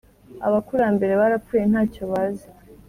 Abakurambere barapfuye nta cyo bazi